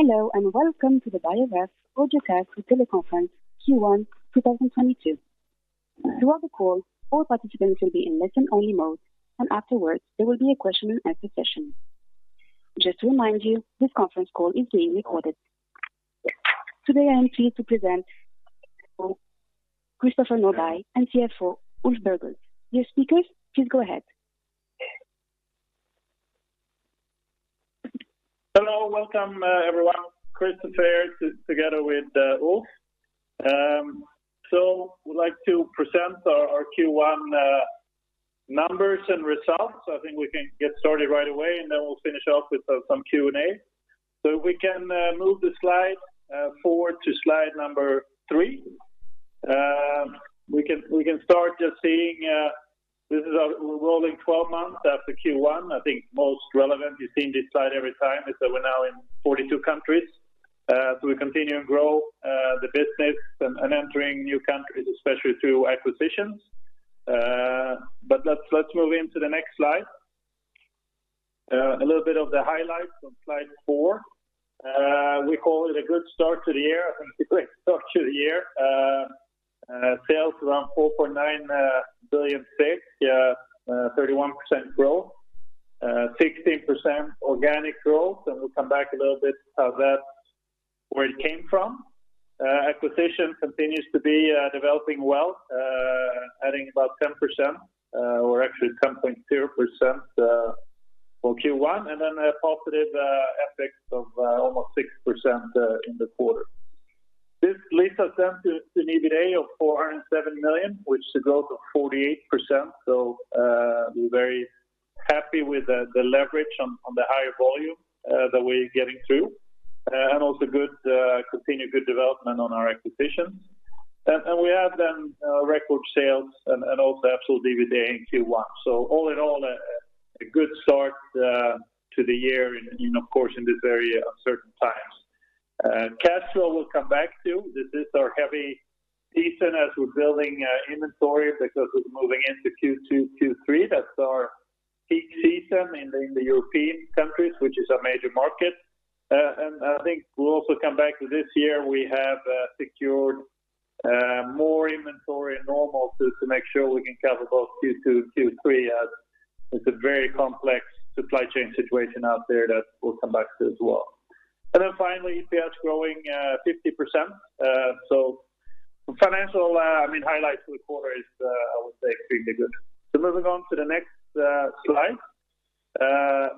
Hello, and welcome to the Beijer Ref Audiocast Teleconference Q1 2022. Throughout the call, all participants will be in listen-only mode, and afterwards, there will be a Q&A session. Just to remind you, this conference call is being recorded. Today, I am pleased to present Christopher Norbye and CFO, Ulf Berghult. Your speakers, please go ahead. Hello. Welcome, everyone. Christopher here together with Ulf. We'd like to present our Q1 numbers and results. I think we can get started right away, and then we'll finish off with some Q&A. We can move the slide forward to slide number three. We can start just seeing this is our rolling 12 months after Q1. I think most relevant, you've seen this slide every time, is that we're now in 42 countries. We continue to grow the business and entering new countries, especially through acquisitions. Let's move into the next slide. A little bit of the highlights on slide four. We call it a good start to the year. I think it's a great start to the year. Sales around SEK 4.9 billion, 31% growth, 16% organic growth. We'll come back a little bit how that's where it came from. Acquisition continues to be developing well, adding about 10%, or actually 10.0%, for Q1, and then a positive FX of almost 6% in the quarter. This leads us then to an EBITDA of 407 million, which is a growth of 48%. We're very happy with the leverage on the higher volume that we're getting through, and also continued good development on our acquisitions. We have then record sales and also absolute EBITDA in Q1. All in all, a good start to the year and, of course, in this very uncertain times. Cash flow, we'll come back to. This is our heavy season as we're building inventory because it's moving into Q2, Q3. That's our peak season in the European countries, which is our major market. I think we'll also come back to this year. We have secured more inventory than normal to make sure we can cover both Q2, Q3 as it's a very complex supply chain situation out there that we'll come back to as well. Then finally, EPS growing 50%. Financial, I mean, highlights for the quarter is, I would say, pretty good. Moving on to the next slide.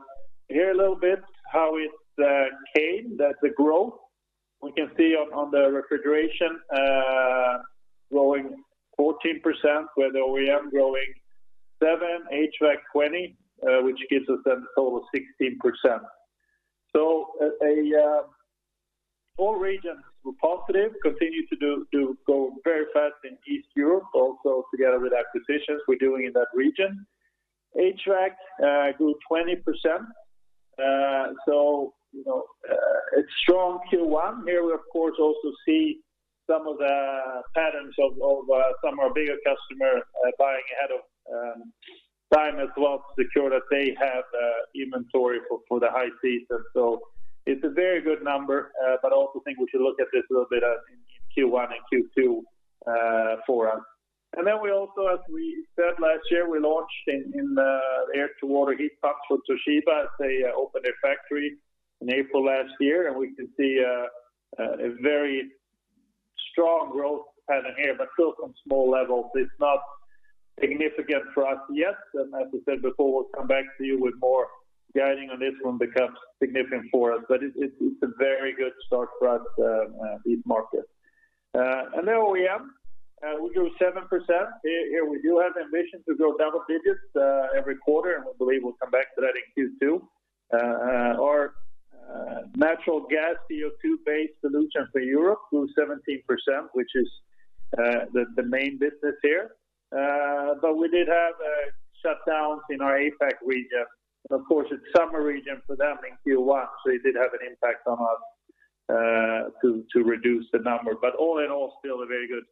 Here's a little bit how it came, that's the growth. We can see the refrigeration growing 14%, with OEM growing 7%, HVAC 20%, which gives us then a total of 16%. All regions were positive, continuing to go very fast in East Europe, also together with acquisitions we're doing in that region. HVAC grew 20%. You know, it's strong Q1. Here we of course also see some of the patterns of some of our bigger customer buying ahead of time as well to secure that they have inventory for the high season. It's a very good number, but I also think we should look at this a little bit in Q1 and Q2 for us. We also, as we said last year, launched in air-to-water heat pumps with Toshiba as they opened a factory in April last year. We can see a very strong growth pattern here, but still from small levels. It's not significant for us yet. As I said before, we'll come back to you with more guidance on this when it becomes significant for us. It's a very good start for us in the heat market. OEM, we grew 7%. Here we do have ambition to grow double digits every quarter, and we believe we'll come back to that in Q2. Our natural gas CO2-based solution for Europe grew 17%, which is the main business here. We did have shutdowns in our APAC region. Of course, it's summer region for them in Q1, so it did have an impact on us to reduce the number. All in all, still a very good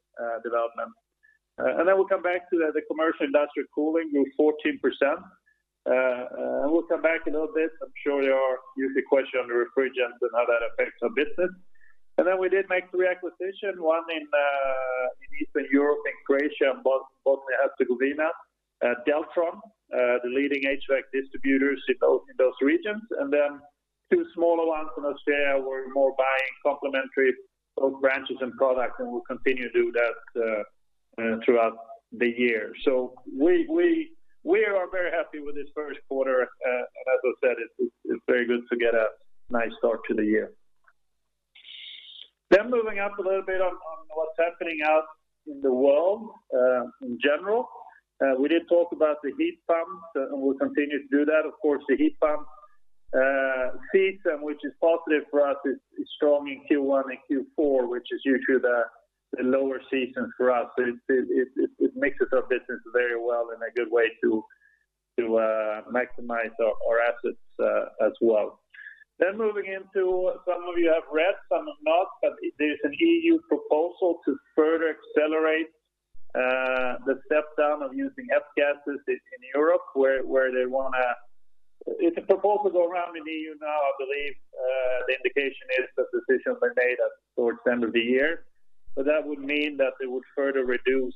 development. We'll come back to the commercial industrial cooling grew 14%. We'll come back a little bit. I'm sure you usually question the refrigerants and how that affects our business. Then we did make three acquisitions, one in Eastern Europe, in Croatia, and Bosnia and Herzegovina, Deltron, the leading HVAC distributors in those regions. Then two smaller ones in Australia. We're more buying complementary both branches and products, and we'll continue to do that throughout the year. We are very happy with this first quarter. As I said, it's very good to get a nice start to the year. Moving up a little bit on what's happening out in the world, in general. We did talk about the heat pumps, and we'll continue to do that. Of course, the heat pump season, which is positive for us, is strong in Q1 and Q4, which is usually the lower season for us. It mixes our business very well in a good way to maximize our assets, as well. Moving into some of you have read, some have not, but there's an EU proposal to further accelerate the step down of using F-gases in Europe, where they wanna. It's a proposal around the EU now, I believe, the indication is the decisions are made towards the end of the year. That would mean that they would further reduce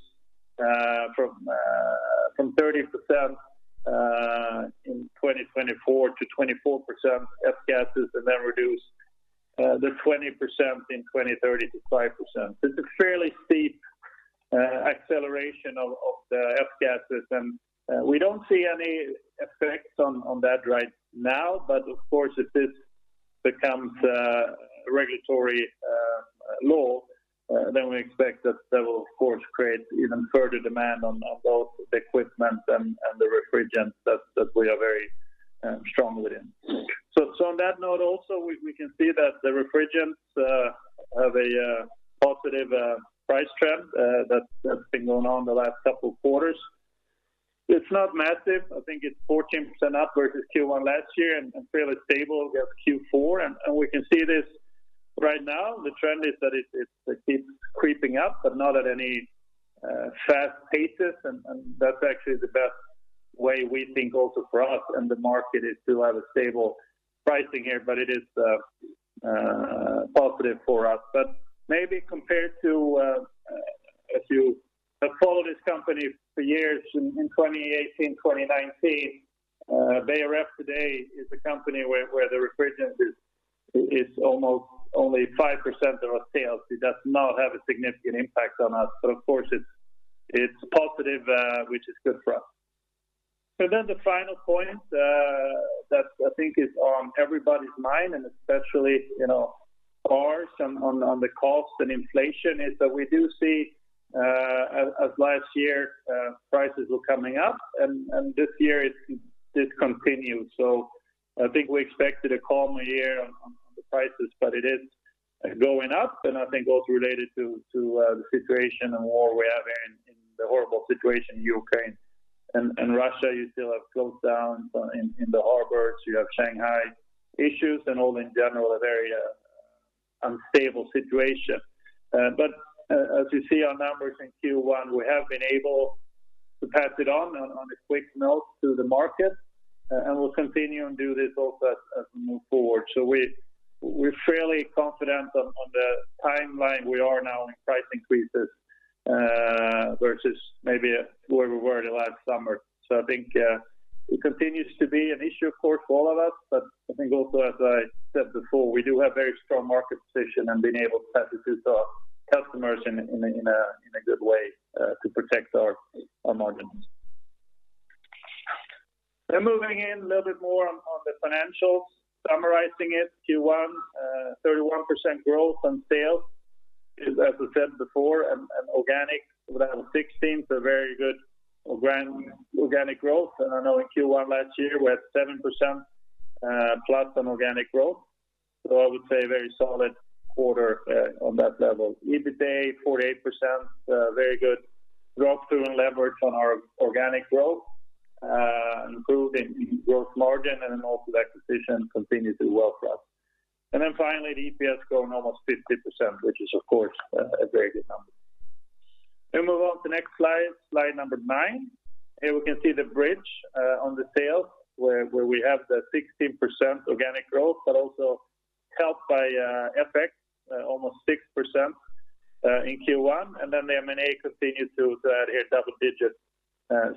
from 30% in 2024 to 24% F-gases and then reduce the 20% in 2030 to 5%. It's a fairly steep acceleration of the F-gases. We don't see any effects on that right now, but of course, if this becomes a regulatory law, then we expect that will of course create even further demand on both the equipment and the refrigerants that we are very strong within. On that note also, we can see that the refrigerants have a positive price trend that's been going on the last couple of quarters. It's not massive. I think it's 14% up versus Q1 last year and fairly stable with Q4. We can see this right now, the trend is that it keeps creeping up, but not at any fast paces. That's actually the best way we think also for us and the market is to have a stable pricing here, but it is positive for us. Maybe compared to if you have followed this company for years in 2018, 2019, Beijer Ref today is a company where the refrigerant is almost only 5% of our sales. It does not have a significant impact on us, but of course, it's positive, which is good for us. The final point that I think is on everybody's mind, and especially, you know, ours on the cost and inflation, is that we do see, as last year, prices were coming up and this year it did continue. I think we expected a calmer year on the prices, but it is going up. I think also related to the situation and war we have here and the horrible situation in Ukraine and Russia, you still have closed down in the harbors, you have Shanghai issues and all in general, a very unstable situation. As you see our numbers in Q1, we have been able to pass it on a quick note to the market, and we'll continue and do this also as we move forward. We're fairly confident on the timeline we are now in price increases versus maybe where we were last summer. I think it continues to be an issue of course for all of us. I think also as I said before, we do have very strong market position and being able to pass it to our customers in a good way to protect our margins. Moving in a little bit more on the financials, summarizing it, Q1 31% growth on sales is, as I said before, an organic level 16%, so very good organic growth. I know in Q1 last year, we had 7% plus on organic growth. I would say very solid quarter on that level. EBITA 48%, very good drop through and leverage on our organic growth, improved gross margin and also acquisitions continued to work well for us. Finally, the EPS grown almost 50%, which is of course a very good number. Move on to the next slide number nine. Here we can see the bridge on the sales where we have the 16% organic growth, but also helped by FX almost 6% in Q1. The M&A continued to add here double-digit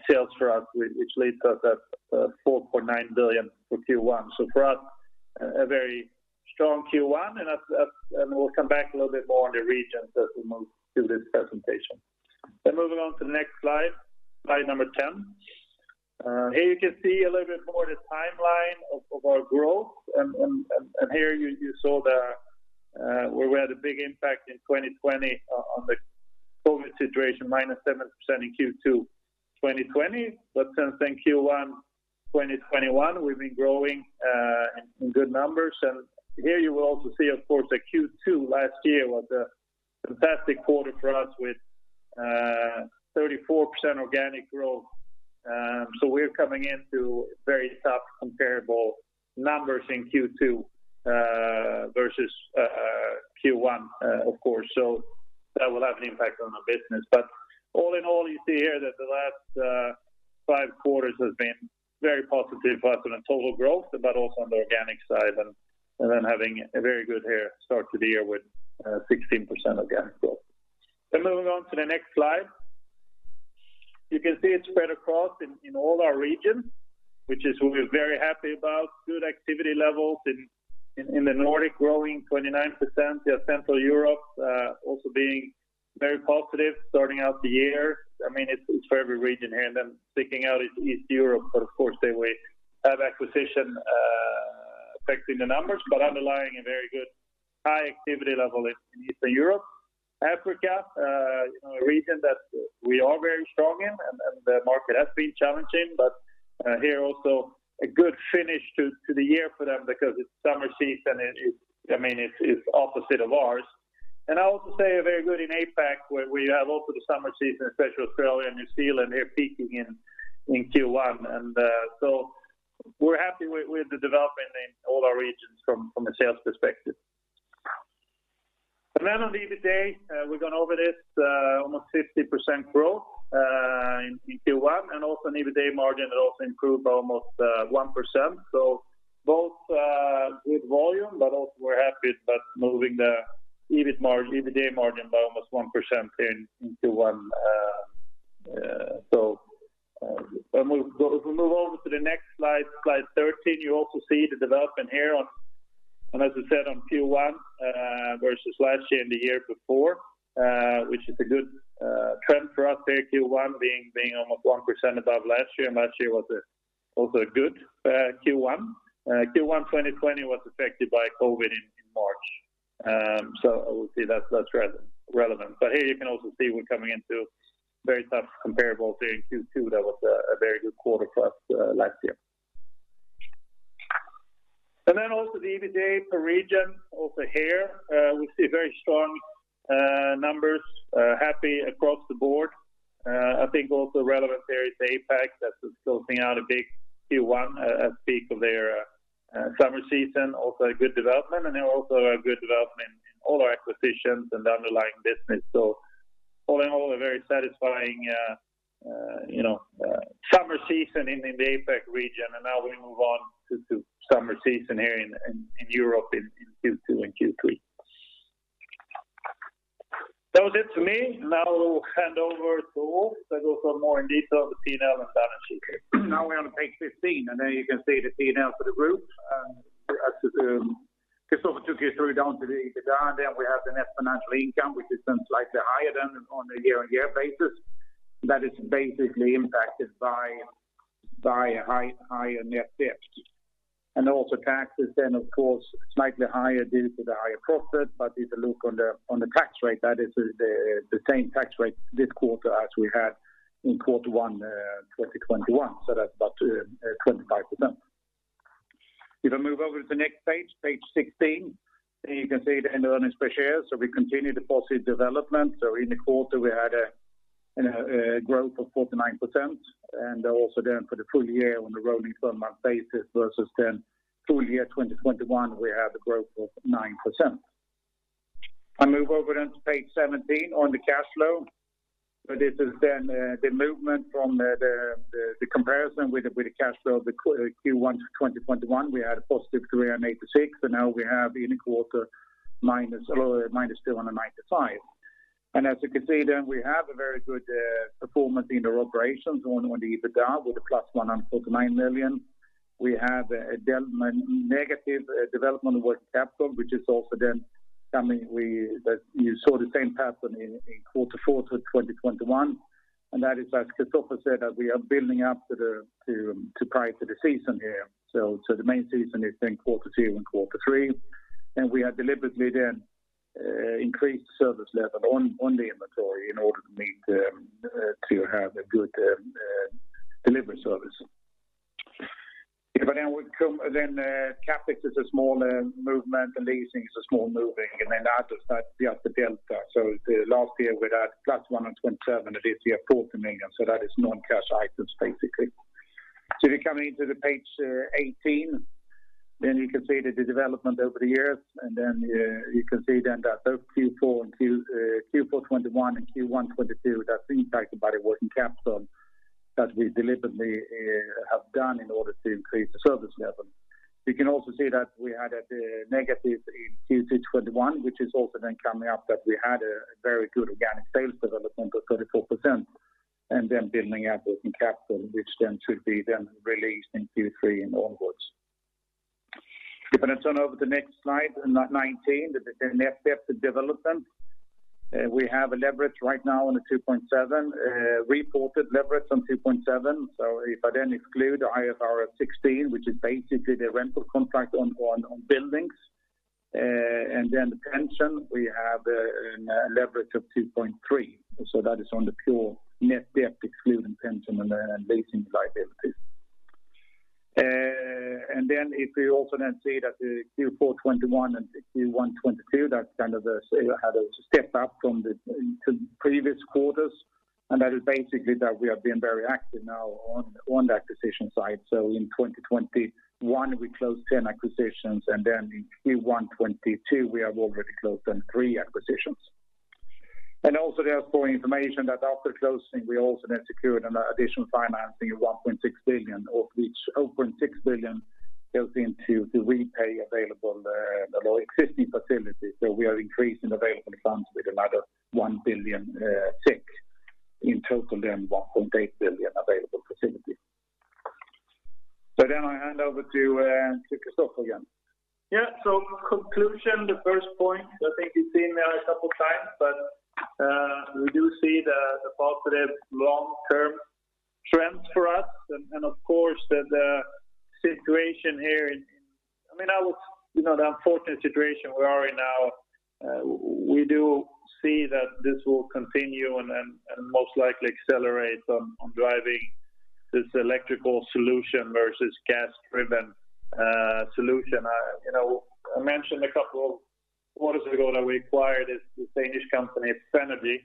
sales for us, which leads us to 4.9 billion for Q1. For us, a very strong Q1 and as we'll come back a little bit more on the regions as we move through this presentation. Moving on to the next slide number 10. Here you can see a little bit more the timeline of our growth. Here you saw the where we had a big impact in 2020 on the COVID situation, -7% in Q2 2020. Since then, Q1 2021, we've been growing in good numbers. Here you will also see of course that Q2 last year was a fantastic quarter for us with 34% organic growth. We're coming into very tough comparable numbers in Q2 versus Q1 of course. That will have an impact on our business. All in all, you see here that the last five quarters has been very positive for us on a total growth, but also on the organic side and then having a very good start to the year with 16% organic growth. Moving on to the next slide. You can see it spread across in all our regions, which is what we're very happy about. Good activity levels in the Nordic growing 29%. You have Central Europe also being very positive starting out the year. I mean, it's for every region here. Sticking out is East Europe, but of course, they will have acquisition affecting the numbers, but underlying a very good high activity level in Eastern Europe. Africa, a region that we are very strong in and the market has been challenging. Here also a good finish to the year for them because it's summer season and I mean, it's opposite of ours. I also say very good in APAC, where we have also the summer season, especially Australia and New Zealand, they're peaking in Q1. We're happy with the development in all our regions from a sales perspective. Then on the EBITA, we've gone over this, almost 50% growth in Q1. Also an EBITA margin that also improved by almost 1%. Both good volume, but also we're happy that moving the EBITA margin by almost 1% into one. We move on to the next slide 13, you also see the development here on, and as I said, on Q1 versus last year and the year before, which is a good trend for us there, Q1 being 1% above last year, and last year was also a good Q1. Q1 2020 was affected by COVID in March. We'll see that's relevant. Here you can also see we're coming into very tough comparables there in Q2. That was a very good quarter for us last year. Then also the EBITA per region, also here, we see very strong numbers, happy across the board. I think also relevant there is APAC, that is closing out a big Q1, as peak of their summer season, also a good development. Also a good development in all our acquisitions and the underlying business. All in all, a very satisfying, you know, summer season in the APAC region. Now we move on to summer season here in Europe in Q2 and Q3. That was it for me. Now I'll hand over to Ulf that goes more in detail of the P&L and balance sheet. Now we're on page 15, and there you can see the P&L for the group. As Christopher Norbye took you through down to the EBITDA, and then we have the net financial income, which is then slightly higher than on a year-on-year basis. That is basically impacted by higher net debt. Taxes then of course, slightly higher due to the higher profit, but if you look on the tax rate, that is the same tax rate this quarter as we had in quarter one, 2021, so that's about 25%. If I move over to the next page 16, then you can see the net earnings per share. We continue the positive development. In the quarter, we had a, you know, a growth of 49%. For the full year on a rolling 12-month basis versus the full year 2021, we have a growth of 9%. I move over to page 17 on the cash flow. This is the movement from the comparison with the cash flow of Q1 2021. We had +386, and now we have in this quarter -295. As you can see, we have a very good performance in our operations on the EBITDA with +149 million. We have a negative development of working capital, which is also something that you saw the same pattern in Q4 2021. That is, as Christopher said, that we are building up to the price for the season here. The main season is then quarter two and quarter three. We have deliberately then increased service level on the inventory in order to have a good delivery service. If I now would come, CapEx is a small movement, and leasing is a small movement, and then others, that's just the delta. Last year we had +127 million, and this year 40 million, so that is non-cash items, basically. If you're coming into the page 18, then you can see the development over the years. You can see then that both Q4 2021 and Q1 2022, that's impacted by the working capital that we deliberately have done in order to increase the service level. You can also see that we had a negative in Q2 2021, which is also then coming up that we had a very good organic sales development of 34%, and then building up working capital, which then should be then released in Q3 and onwards. If I turn over to the next slide, nineteen, the net debt development. We have a leverage right now on a 2.7, reported leverage on 2.7. If I then exclude the IFRS 16, which is basically the rental contract on buildings, and then the pension, we have a leverage of 2.3. That is on the pure net debt excluding pension and leasing liabilities. Then if you also see that the Q4 2021 and Q1 2022, that's a step up from the previous quarters. That is basically we have been very active now on the acquisition side. In 2021, we closed 10 acquisitions, and then in Q1 2022, we have already closed three acquisitions. Also there for your information that after closing, we also secured an additional financing of 1.6 billion, of which 0.6 billion goes to repay available existing facilities. We are increasing available funds with another 1.0 billion. In total, 1.8 billion available facilities. I hand over to Christopher again. Yeah. Conclusion, the first point, I think you've seen there a couple times, but we do see the positive long-term trends for us. Of course the situation here in... I mean, you know, the unfortunate situation we are in now, we do see that this will continue and most likely accelerate on driving this electrical solution versus gas-driven solution. You know, I mentioned a couple of quarters ago that we acquired this Danish company, Fenagy,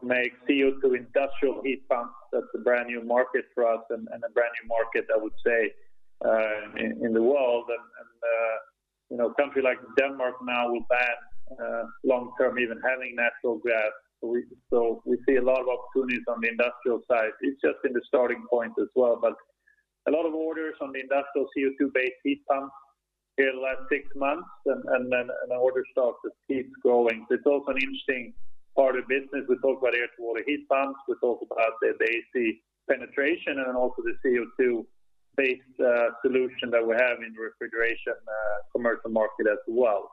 who make CO2 industrial heat pumps. That's a brand new market for us and a brand new market, I would say, in the world. You know, countries like Denmark now will ban long term even having natural gas. We see a lot of opportunities on the industrial side. It's just been the starting point as well. A lot of orders on the industrial CO2-based heat pumps in the last six months and then the order stock just keeps growing. It's also an interesting part of business. We talk about air-to-water heat pumps. We talk about the AC penetration and also the CO2-based solution that we have in refrigeration, commercial market as well.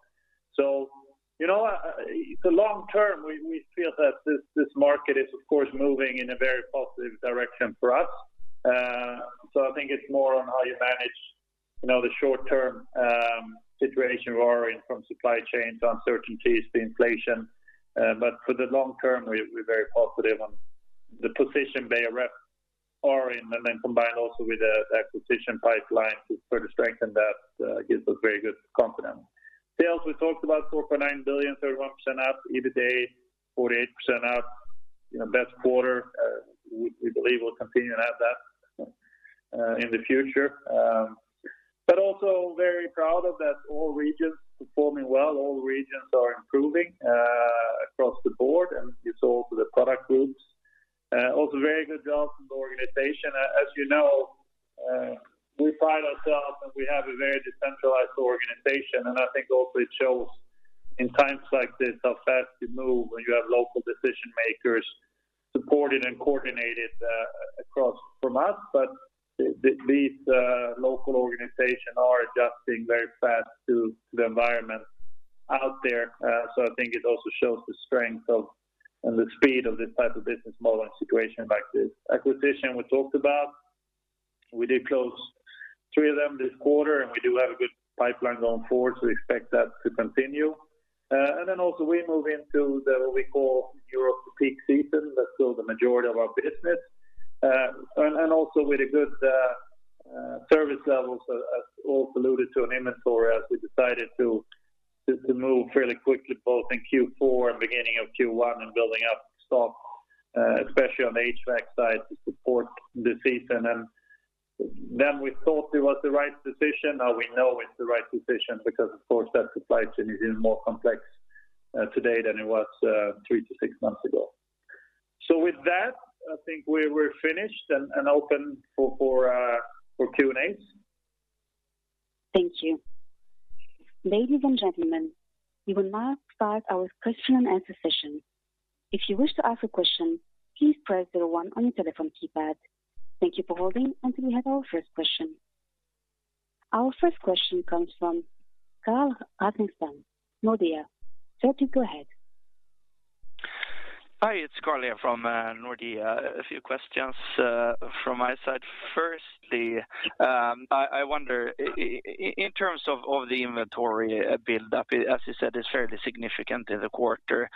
You know, it's a long term. We feel that this market is of course moving in a very positive direction for us. I think it's more on how you manage, you know, the short term situation we're in from supply chains, uncertainties, the inflation. For the long term, we're very positive on the position Beijer Ref are in and then combined also with the acquisition pipeline to further strengthen that, gives us very good confidence. Sales, we talked about 4.9 billion, 31% up. EBITA, 48% up, you know, best quarter. We believe we'll continue to have that in the future. Also very proud of that all regions performing well. All regions are improving, across the board, and you saw the product groups. Also very good job from the organization. As you know, we pride ourselves that we have a very decentralized organization, and I think also it shows in times like this how fast you move when you have local decision makers supported and coordinated across from us. These local organizations are adjusting very fast to the environment out there. I think it also shows the strength of and the speed of this type of business model in a situation like this. Acquisition, we talked about. We did close three of them this quarter, and we do have a good pipeline going forward, so we expect that to continue. Then also we move into the what we call Europe's peak season. That's still the majority of our business. And also with good service levels as all alluded to in inventory as we decided to move fairly quickly both in Q4 and beginning of Q1 and building up stock especially on the HVAC side to support the season. Then we thought it was the right decision. Now we know it's the right decision because of course that supply chain is even more complex today than it was three to six months ago. With that, I think we're finished and open for Q&As. Thank you. Ladies and gentlemen, we will now start our Q&A session. If you wish to ask a question, please press zero one on your telephone keypad. Thank you for holding until we have our first question. Our first question comes from Carl Åkesson, Nordea. Sir, you go ahead. Hi, it's Carl here from Nordea. A few questions from my side. Firstly, I wonder in terms of the inventory build up, as you said, it's fairly significant in the quarter.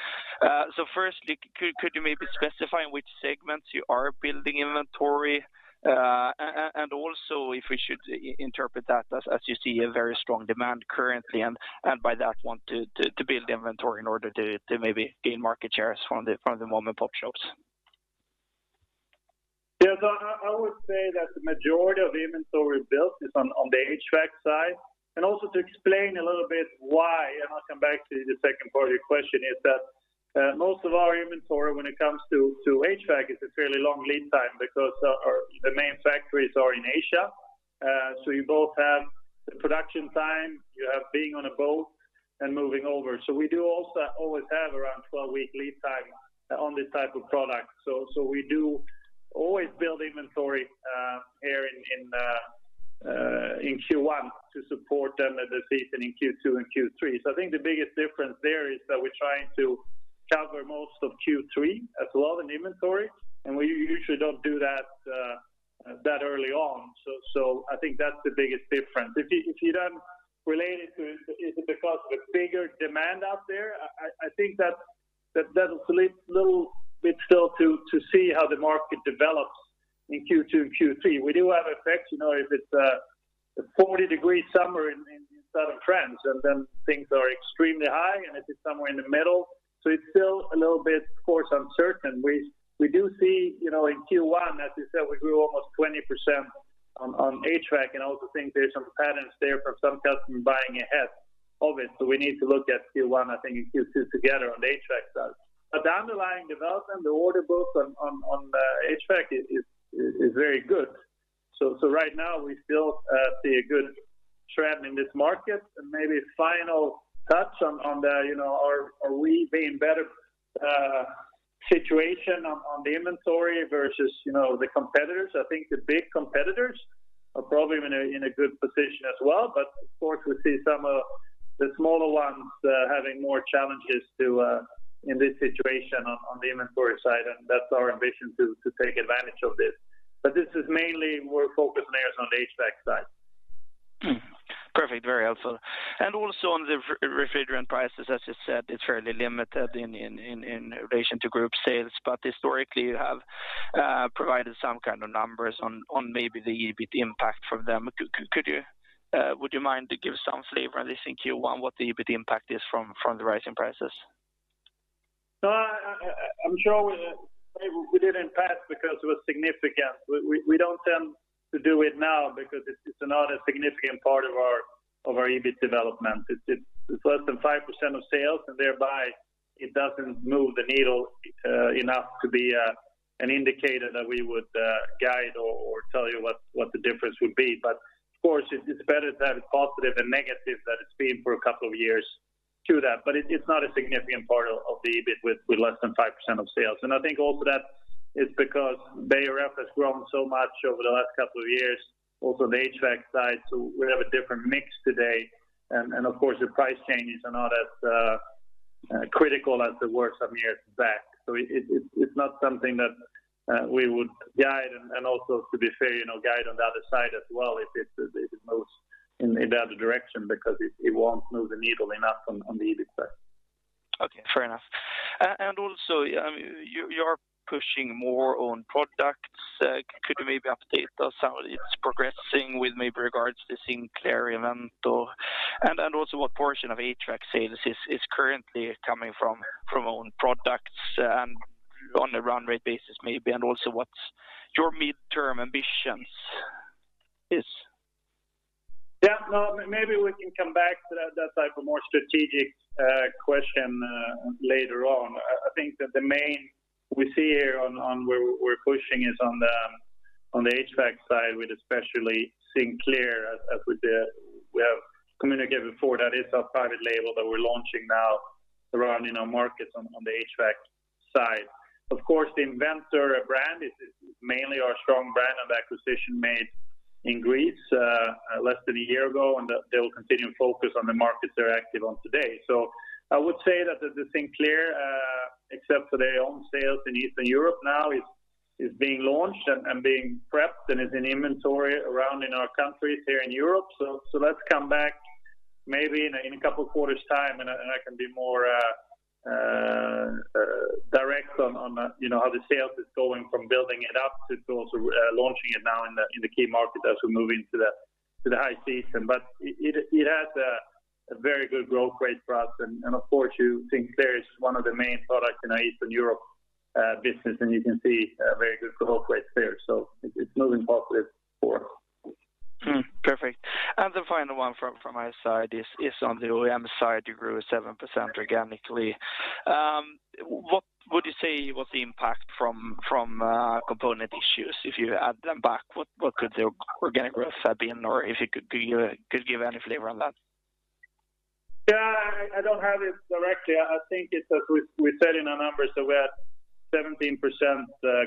Firstly, could you maybe specify in which segments you are building inventory? And also if we should interpret that as you see a very strong demand currently, and by that want to build inventory in order to maybe gain market shares from the mom-and-pop shops. Yeah. I would say that the majority of inventory built is on the HVAC side. Also to explain a little bit why, and I'll come back to the second part of your question, is that most of our inventory when it comes to HVAC is a fairly long lead time because our, the main factories are in Asia. You both have the production time, you have being on a boat and moving over. We do also always have around 12-week lead time on this type of product. We do always build inventory here in Q1 to support them at the season in Q2 and Q3. I think the biggest difference there is that we're trying to cover most of Q3 as well in inventory, and we usually don't do that early on. I think that's the biggest difference. If you then relate it to is it because of a bigger demand out there, I think that'll slip a little bit still to see how the market develops in Q2 and Q3. We do have effects, you know, if it's a 40-degree summer in southern France, and then things are extremely high and if it's somewhere in the middle. It's still a little bit, of course, uncertain. We do see, you know, in Q1, as you said, we grew almost 20% on HVAC and also think there's some patterns there from some customers buying ahead of it. We need to look at Q1, I think, and Q2 together on the HVAC side. The underlying development, the order book on HVAC is very good. Right now we still see a good trend in this market. Maybe a final touch on the, you know, are we in a better situation on the inventory versus, you know, the competitors? I think the big competitors are probably in a good position as well. Of course, we see some of the smaller ones having more challenges in this situation on the inventory side, and that's our ambition to take advantage of this. This is mainly we're focused on the HVAC side. Perfect, very helpful. Also on the refrigerant prices, as you said, it's fairly limited in relation to group sales. Historically, you have provided some kind of numbers on maybe the EBIT impact from them. Would you mind to give some flavor at least in Q1 what the EBIT impact is from the rising prices? No, I'm sure we maybe did impact because it was significant. We don't tend to do it now because it's not a significant part of our EBIT development. It's less than 5% of sales, and thereby it doesn't move the needle enough to be an indicator that we would guide or tell you what the difference would be. But of course, it's better that it's positive than negative that it's been for a couple of years to that. But it's not a significant part of the EBIT with less than 5% of sales. I think also that is because Beijer Ref has grown so much over the last couple of years, also the HVAC side, so we have a different mix today. Of course, the price changes are not as critical as they were some years back. It's not something that we would guide, and also to be fair, you know, guide on the other side as well if it moves in the other direction because it won't move the needle enough on the EBIT side. Okay, fair enough. I mean, you're pushing more on products. Could you maybe update us how it's progressing with maybe regards to Sinclair and Inventor? What portion of HVAC sales is currently coming from own products on a run rate basis maybe? What's your mid-term ambitions? Yeah, no, maybe we can come back to that type of more strategic question later on. I think that the main thing we see here on where we're pushing is on the HVAC side with especially Sinclair, as we have communicated before, that it's our private label that we're launching now around, you know, markets on the HVAC side. Of course, the Inventor brand is mainly our strong brand acquisition made in Greece less than a year ago, and they'll continue to focus on the markets they're active on today. I would say that the Sinclair, except for their own sales in Eastern Europe, is now being launched and being prepped and is in inventory around in our countries here in Europe. Let's come back maybe in a couple of quarters' time, and I can be more direct on, you know, how the sales is going from building it up to also launching it now in the key markets as we move into the high season. It has a very good growth rate for us. Of course, you think there is one of the main products in our Eastern Europe business, and you can see a very good growth rate there. It's moving positive for. Perfect. The final one from my side is on the OEM side. You grew 7% organically. What would you say was the impact from component issues? If you add them back, what could the organic growth have been? If you could give any flavor on that? Yeah, I don't have it directly. I think it's as we said in our numbers, so we had 17%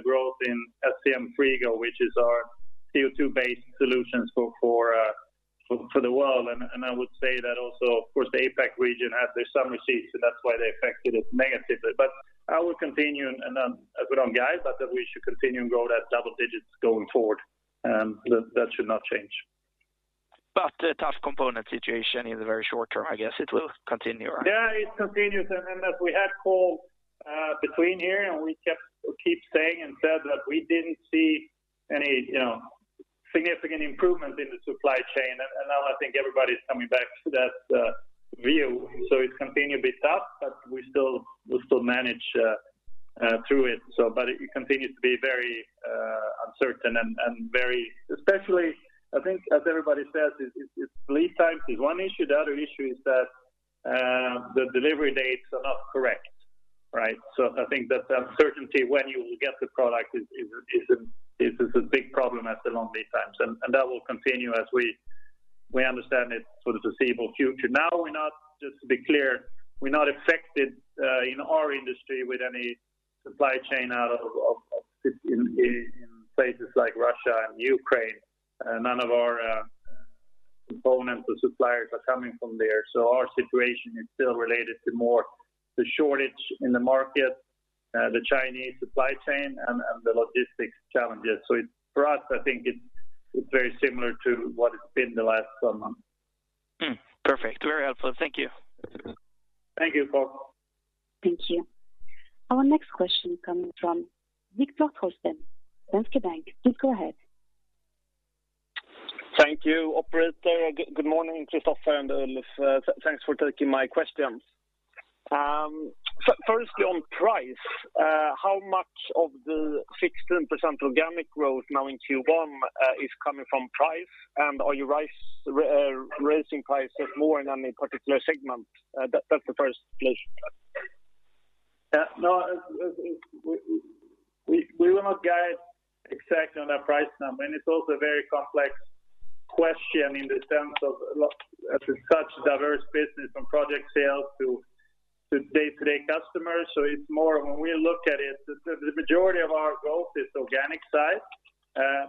growth in SCM Frigo, which is our CO2-based solutions for the world. I would say that also, of course, the APAC region had their summer heat, so that's why they affected it negatively. I will continue, and we're good on guide, but that we should continue to grow that double digits going forward. That should not change. A tough component situation in the very short term, I guess it will continue. Yeah, it continues. Then as we had called between here, and we kept or keep saying and said that we didn't see any, you know, significant improvement in the supply chain. Now I think everybody's coming back to that view. It's continually tough, but we still manage through it. It continues to be very uncertain and very. Especially, I think as everybody says, it's lead times is one issue. The other issue is that the delivery dates are not correct, right? I think that the uncertainty when you will get the product is a big problem as the long lead times. That will continue as we understand it for the foreseeable future. Now, we're not, just to be clear, we're not affected in our industry with any supply chain out of places like Russia and Ukraine. None of our components or suppliers are coming from there. Our situation is still related more to the shortage in the market, the Chinese supply chain and the logistics challenges. It's, for us, I think it's very similar to what it's been the last some months. Perfect. Very helpful. Thank you. Thank you, Carl Åkesson. Thank you. Our next question comes from Viktor Trollsten, Danske Bank. Please go ahead. Thank you, operator. Good morning, Christopher and Ulf. Thanks for taking my questions. Firstly on price, how much of the 16% organic growth now in Q1 is coming from price? Are you raising prices more in any particular segment? That's the first question. Yeah, no, we will not guide exactly on that price number. It's also a very complex question in the sense of such a diverse business from project sales to day-to-day customers. It's more when we look at it, the majority of our growth is on the organic side.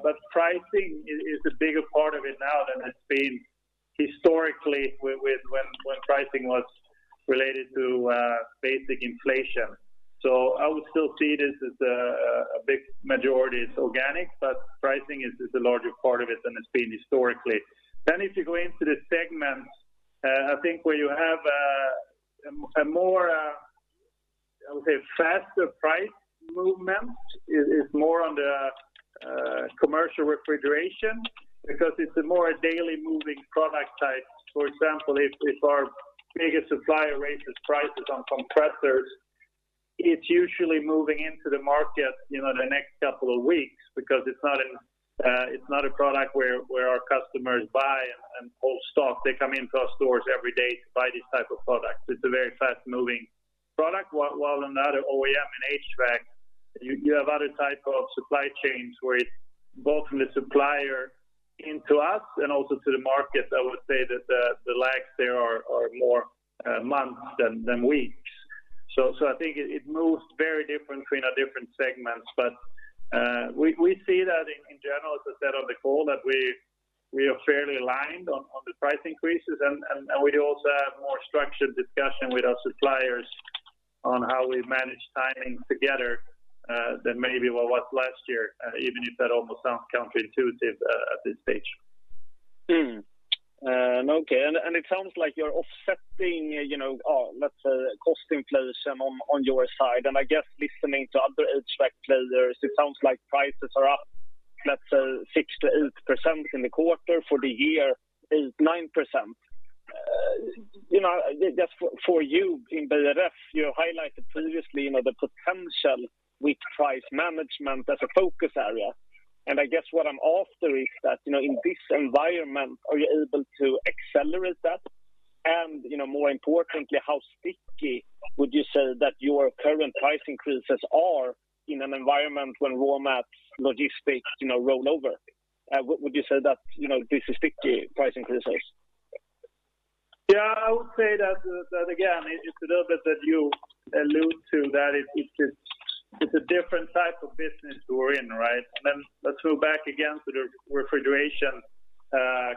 But pricing is a bigger part of it now than it's been historically with when pricing was related to basic inflation. I would still see this as a big majority is organic, but pricing is a larger part of it than it's been historically. If you go into the segments, I think where you have a more, I would say faster price movement is more on the commercial refrigeration because it's a more daily moving product type. For example, if our biggest supplier raises prices on compressors, it's usually moving into the market, you know, in the next couple of weeks because it's not a product where our customers buy and hold stock. They come into our stores every day to buy these type of products. It's a very fast-moving product. While on the other OEM and HVAC, you have other type of supply chains where it's both from the supplier into us and also to the market, I would say that the lags there are more months than weeks. I think it moves very differently in our different segments. But we see that in general, as I said on the call, that we are fairly aligned on the price increases. We do also have more structured discussion with our suppliers on how we manage timing together than maybe what was last year, even if that almost sounds counterintuitive at this stage. Okay. It sounds like you're offsetting, you know, let's say cost inflation on your side. I guess listening to other HVAC players, it sounds like prices are up, let's say 6%-8% in the quarter, for the year, 8%-9%. You know, just for you in Beijer Ref, you highlighted previously, you know, the potential with price management as a focus area. I guess what I'm after is that, you know, in this environment, are you able to accelerate that? You know, more importantly, how sticky would you say that your current price increases are in an environment when raw mats, logistics, you know, roll over? Would you say that, you know, this is sticky price increases? Yeah. I would say that again, it's a little bit that you allude to that it's a different type of business we're in, right? Let's go back again to the Refrigeration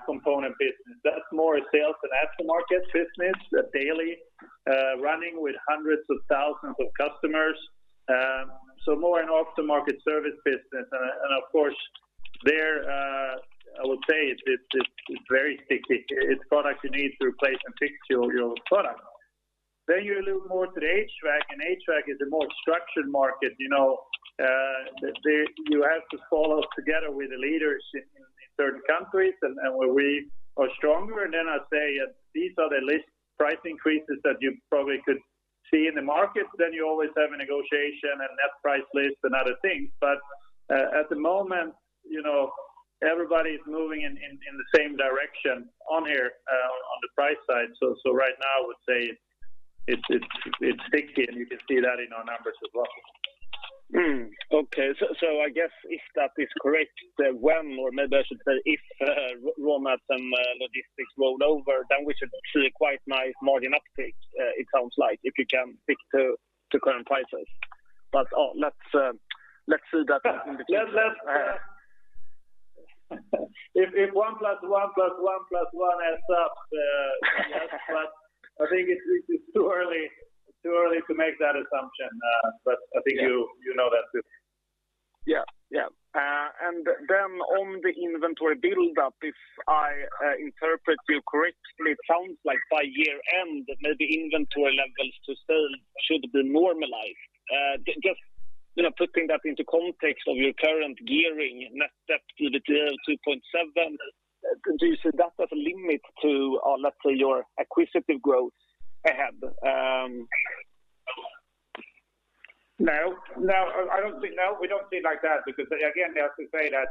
Component business. That's more a sales and aftermarket business, a daily running with hundreds of thousands of customers. More an aftermarket service business. Of course there, I would say it's very sticky. It's product you need to replace and fix your product. You allude more to the HVAC, and HVAC is a more structured market. You know, you have to follow together with the leaders in certain countries and where we are stronger. I'd say these are the list price increases that you probably could see in the market. You always have a negotiation and net price list and other things. At the moment, you know, everybody's moving in the same direction on here, on the price side. Right now I would say it's sticky, and you can see that in our numbers as well. I guess if that is correct, when, or maybe I should say if, raw materials and logistics roll over, then we should see quite nice margin uptake, it sounds like, if you can stick to current prices. Let's see that in the future. Let's. If one plus one plus one plus one adds up, yes, but I think it's too early to make that assumption. I think you Yeah. You know that too. Yeah. On the inventory build-up, if I interpret you correctly, it sounds like by year-end, maybe inventory levels to sales should be normalized. Just, you know, putting that into context of your current gearing, net debt to EBITDA 2.7, do you see that as a limit to, let's say, your acquisitive growth ahead? No, we don't see it like that because again, I have to say that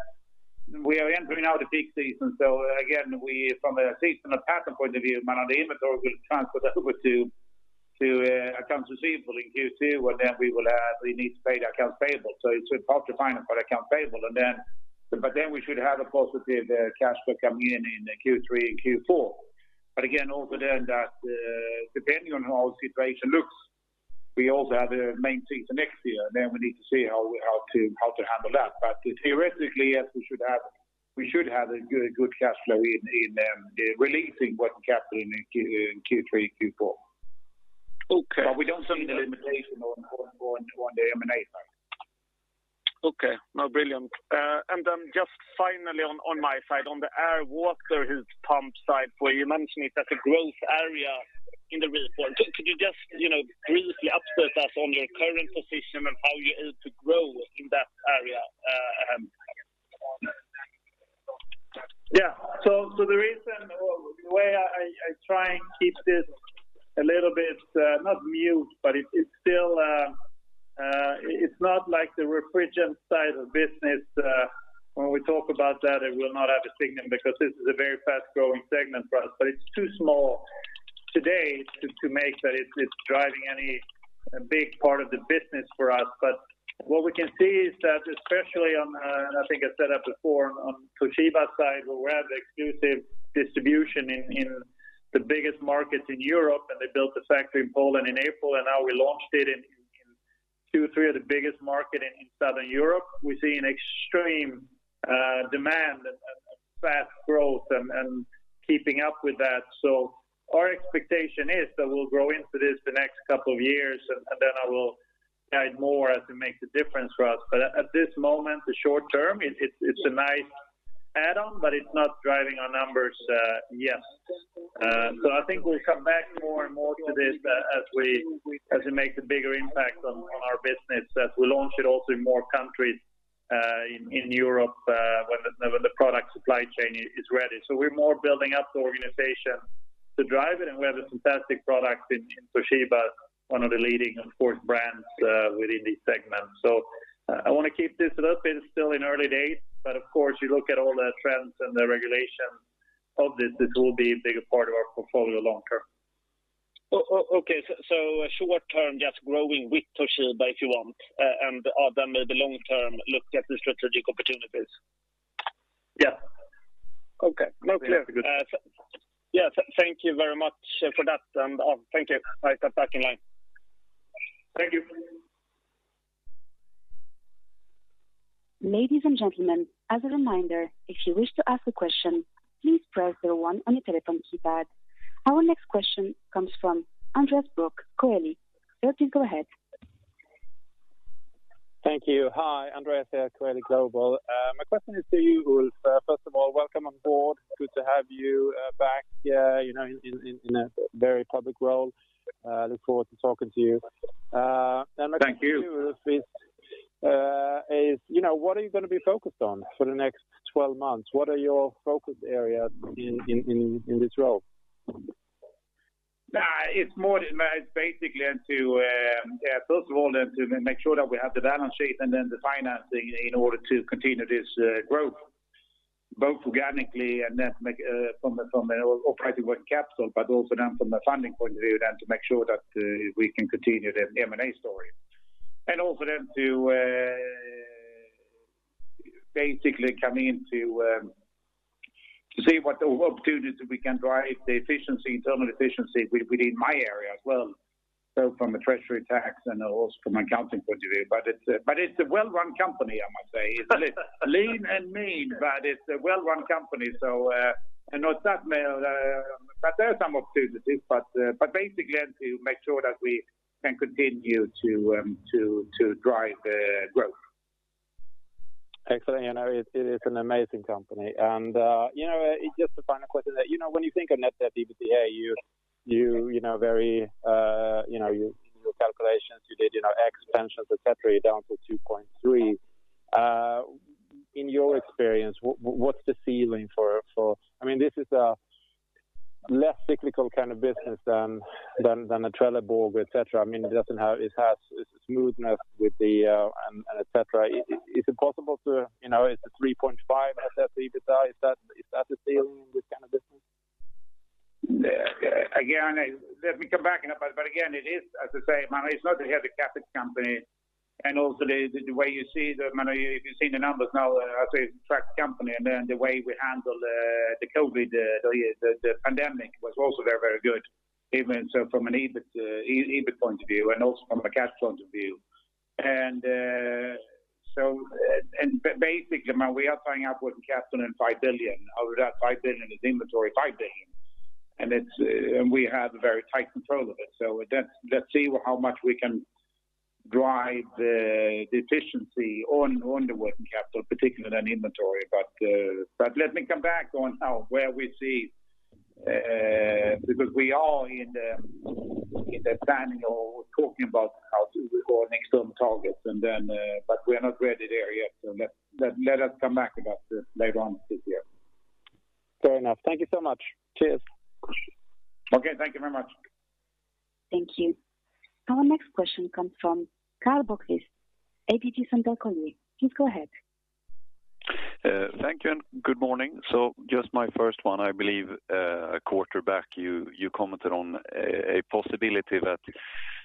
we are entering now the peak season. From a seasonal pattern point of view, much of the inventory will transfer over to accounts receivable in Q2, and then we will need to pay the accounts payable. It's about funding the accounts payable. We should have a positive cash flow coming in in Q3 and Q4. Again, depending on how the situation looks, we also have a main season next year, and then we need to see how to handle that. Theoretically, yes, we should have a good cash flow by releasing working capital in Q3 and Q4. Okay. We don't see any limitation on the M&A side. Okay. No, brilliant. Just finally on my side, on the air-to-water heat pump side, where you mentioned it as a growth area in the report, could you just, you know, briefly update us on your current position and how you aim to grow in that area? The reason or the way I try and keep this a little bit not mute, but it's still not like the refrigerant side of the business. When we talk about that, it will not have a segment because this is a very fast-growing segment for us, but it's too small today to make that it's driving any big part of the business for us. What we can see is that especially on, and I think I said that before, on Toshiba side, where we have the exclusive distribution in the biggest markets in Europe, and they built a factory in Poland in April, and now we launched it in two, three of the biggest markets in Southern Europe. We're seeing extreme demand and fast growth and keeping up with that. Our expectation is that we'll grow into this the next couple of years, and then I will guide more as it makes a difference for us. At this moment, the short term, it's a nice add-on, but it's not driving our numbers, yet. I think we'll come back more and more to this as it makes a bigger impact on our business, as we launch it also in more countries, in Europe, when the product supply chain is ready. We're more building up the organization to drive it, and we have a fantastic product in Toshiba, one of the leading, of course, brands, within this segment. I wanna keep this a little bit still in early days, but of course you look at all the trends and the regulations of this will be a bigger part of our portfolio long term. Okay. Short term, just growing with Toshiba, if you want, and then the long term look at the strategic opportunities? Yeah. Okay. That's good. Yeah. Thank you very much for that, and thank you. I step back in line. Thank you. Ladies and gentlemen, as a reminder, if you wish to ask a question, please press zero one on your telephone keypad. Our next question comes from Andreas Brock, Coeli. Sir, please go ahead. Thank you. Hi. Andreas here, Coeli Global. My question is to you, Ulf. First of all, welcome on board. Good to have you back, you know, in a very public role. Look forward to talking to you. My question to you. Thank you. Ulf, you know, what are you gonna be focused on for the next 12 months? What are your focus areas in this role? Basically, first of all to make sure that we have the balance sheet and then the financing in order to continue this growth, both organically and then manage from operating working capital, but also then from a funding point of view to make sure that we can continue the M&A story. Also then to basically come in to see what opportunities that we can drive the efficiency, internal efficiency within my area as well, both from a treasury, tax and also from an accounting point of view. But it's a well-run company, I must say. It's lean and mean, but it's a well-run company. There are some opportunities, but basically, and to make sure that we can continue to drive the growth. Excellent. You know, it is an amazing company. You know, just a final question that, you know, when you think of net debt EBITDA, you know. In your calculations, you did, you know, expansions, et cetera, down to 2.3. In your experience, what's the ceiling for. I mean, this is a less cyclical kind of business than a Trelleborg, et cetera. I mean, it doesn't have. It has its smoothness with the and et cetera. Is it possible to, you know, is it 3.5 adjusted EBITDA? Is that the ceiling in this kind of business? Yeah. Again, let me come back. Again, it is, as I say, I mean, it's not that you have a captive company. Also the way you see the numbers now, as a tech company, and then the way we handle the COVID pandemic was also very, very good, even so from an EBIT point of view and also from a cash point of view. Basically, I mean, we are tying up working capital in 5 billion. Out of that 5 billion is inventory, 5 billion. It's, and we have a very tight control of it. Let's see how much we can drive the efficiency on the working capital, particularly on inventory. Let me come back on how, where we see. Because we are in the planning or talking about how to reach next term targets and then but we are not ready there yet. Let us come back about this later on this year. Fair enough. Thank you so much. Cheers. Okay. Thank you very much. Thank you. Our next question comes from Karl Bokvist, ABG Sundal Collier. Please go ahead. Thank you, and good morning. Just my first one, I believe, a quarter back, you commented on a possibility that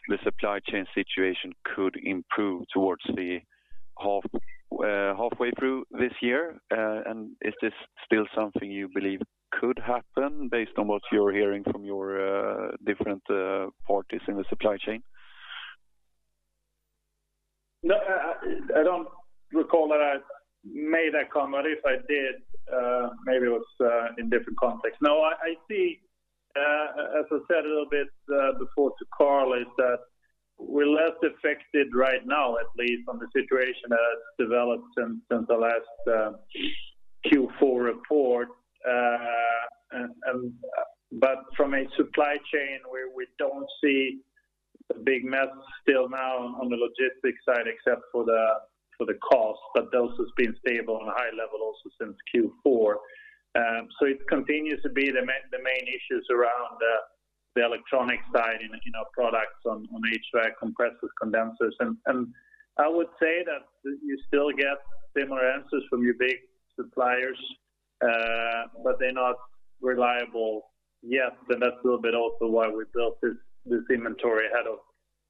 the supply chain situation could improve towards halfway through this year. Is this still something you believe could happen based on what you're hearing from your different parties in the supply chain? No. I don't recall that I made that comment. If I did, maybe it was in different context. No. I see, as I said a little bit before to Carl, is that we're less affected right now, at least, on the situation that has developed since the last Q4 report. From a supply chain, we don't see the big mess still now on the logistics side except for the cost, but those has been stable on a high level also since Q4. It continues to be the main issues around the electronic side in our products on HVAC compressors, condensers. I would say that you still get similar answers from your big suppliers, but they're not reliable yet. That's a little bit also why we built this inventory ahead of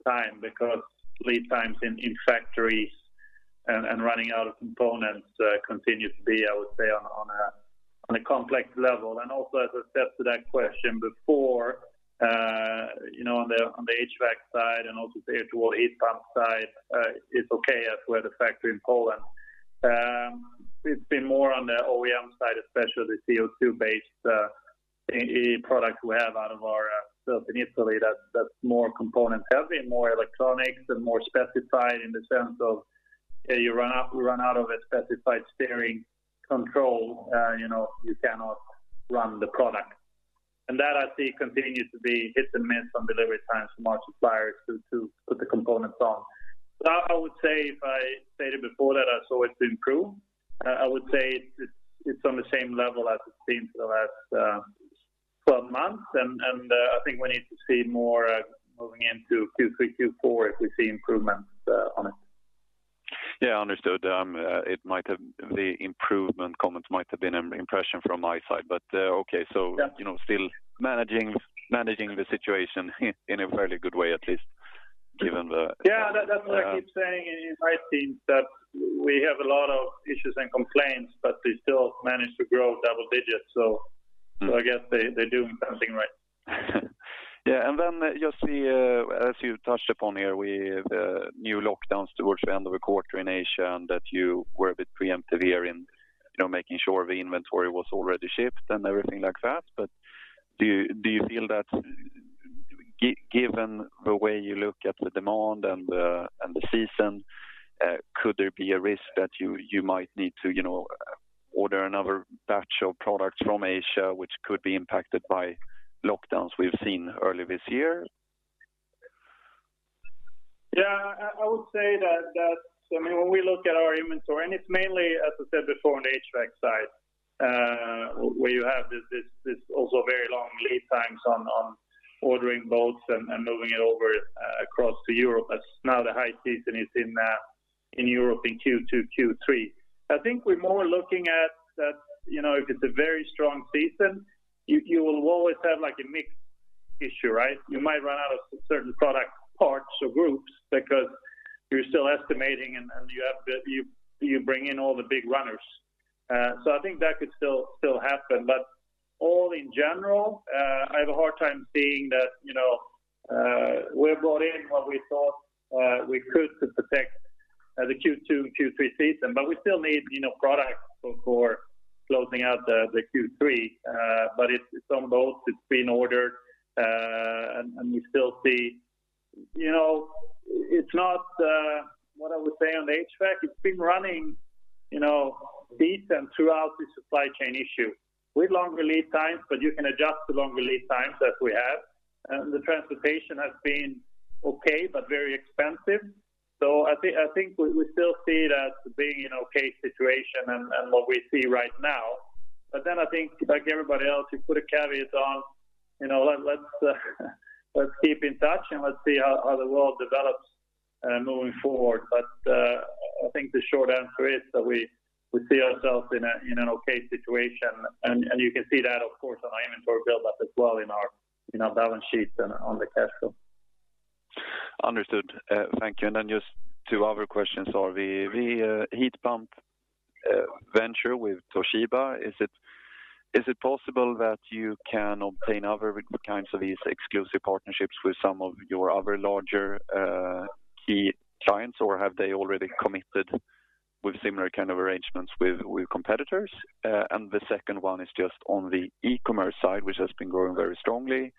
time, because lead times in factories and running out of components continue to be, I would say, on a complex level, and also as I said to that question before, you know, on the HVAC side and also the air-to-water heat pump side, it's okay as we have the factory in Poland. It's been more on the OEM side, especially the CO2-based OEM product we have out of our built in Italy that's more component heavy and more electronics and more specified in the sense of, yeah, you run out of a specified steering control, you know, you cannot run the product. That I see continues to be hit and miss on delivery times from our suppliers to put the components on. I would say if I stated before that I saw it improve. I would say it's on the same level as it's been for the last 12 months. I think we need to see more moving into Q3, Q4 if we see improvements on it. Yeah, understood. The improvement comments might have been an impression from my side, but okay. Yeah. You know, still managing the situation in a fairly good way, at least given the. Yeah, that's what I keep saying in my team, that we have a lot of issues and complaints, but we still manage to grow double digits, so. Mm. I guess they're doing something right. Yeah. As you touched upon here with new lock-downs towards the end of the quarter in Asia, and that you were a bit preemptive here in, you know, making sure the inventory was already shipped and everything like that. Do you feel that given the way you look at the demand and the season, could there be a risk that you might need to, you know, order another batch of products from Asia which could be impacted by lock-downs we've seen early this year? Yeah. I would say that. I mean, when we look at our inventory, and it's mainly, as I said before, on the HVAC side, where you have this also very long lead times on ordering boats and moving it over across to Europe as now the high season is in Europe in Q2, Q3. I think we're more looking at that, you know, if it's a very strong season, you will always have, like, a mix issue, right? You might run out of certain product parts or groups because you're still estimating and you bring in all the big runners. I think that could still happen. All in general, I have a hard time seeing that, you know, we brought in what we thought we could to protect the Q2, Q3 season. We still need, you know, products for closing out the Q3. It's on both. It's been ordered, and we still see you know it's not what I would say on the HVAC. It's been running, you know, decent throughout the supply chain issue. With longer lead times, but you can adjust to longer lead times as we have. The transportation has been okay, but very expensive. I think we still see it as being an okay situation and what we see right now. I think like everybody else, you put a caveat on, you know, let's keep in touch and let's see how the world develops moving forward. I think the short answer is that we see ourselves in an okay situation. You can see that, of course, on our inventory build up as well in our balance sheet and on the cash flow. Understood. Thank you. Just two other questions. Is the heat pump venture with Toshiba possible that you can obtain other kinds of these exclusive partnerships with some of your other larger key clients? Or have they already committed with similar kind of arrangements with competitors? The second one is just on the e-commerce side, which has been growing very strongly.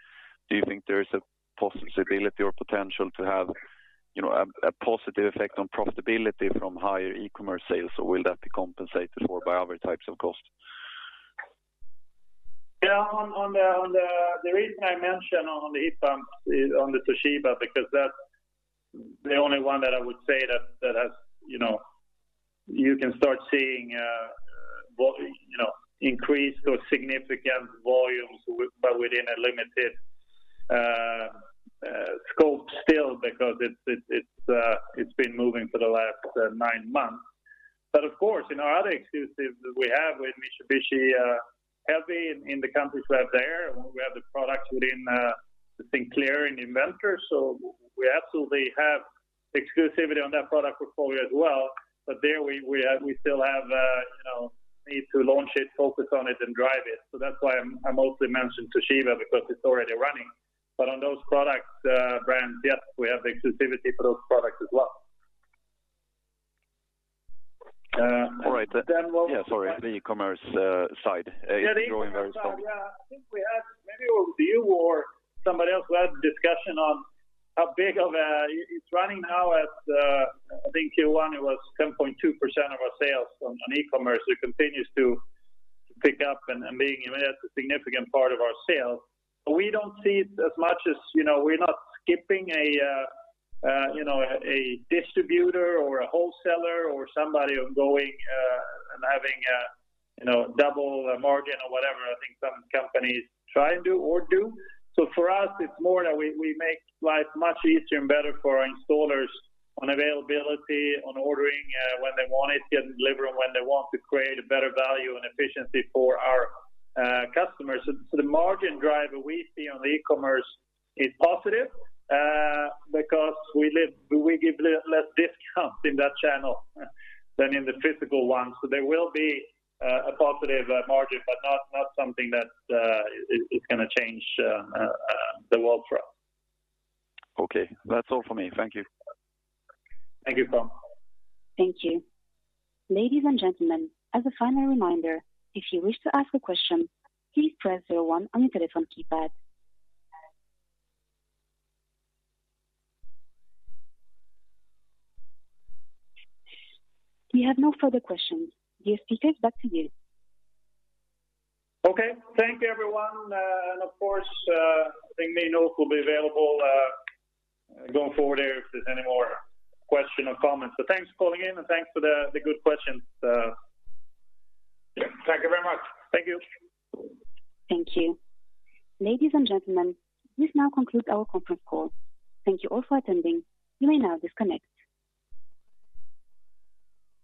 Do you think there is a possibility or potential to have, you know, a positive effect on profitability from higher e-commerce sales, or will that be compensated for by other types of costs? Yeah. The reason I mention the heat pump on the Toshiba, because that's the only one that I would say that has, you know, you can start seeing, you know, increased or significant volumes within a limited scope still because it's been moving for the last nine months. Of course, in our other exclusives that we have with Mitsubishi Heavy in the countries we have there, and we have the products within the Sinclair and Inventor. We absolutely have exclusivity on that product portfolio as well. There we still have, you know, need to launch it, focus on it, and drive it. That's why I mostly mention Toshiba because it's already running. On those products, brands, yes, we have exclusivity for those products as well. All right. Then what we- Yeah, sorry. The e-commerce side Yeah, the e-commerce side. Yeah. It's growing very strong. I think we had maybe with you or somebody else we had discussion on how big of a. It's running now at, I think Q1 it was 10.2% of our sales on e-commerce. It continues to pick up and being a significant part of our sales. But we don't see it as much as. You know, we're not skipping a you know, a distributor or a wholesaler or somebody and going and having you know, double the margin or whatever I think some companies try to do or do. For us, it's more that we make life much easier and better for our installers on availability, on ordering, when they want it, getting delivered when they want it to create a better value and efficiency for our customers. The margin driver we see on the e-commerce is positive, because we give less discount in that channel than in the physical one. There will be a positive margin, but not something that is gonna change the world for us. Okay. That's all for me. Thank you. Thank you, Tom. Thank you. Ladies and gentlemen, as a final reminder, if you wish to ask a question, please press zero one on your telephone keypad. We have no further questions. The speakers, back to you. Okay. Thank you, everyone. Of course, I think my notes will be available going forward there if there's any more question or comments. Thanks for calling in, and thanks for the good questions. Yeah. Thank you very much. Thank you. Thank you. Ladies and gentlemen, this now concludes our conference call. Thank you all for attending. You may now disconnect.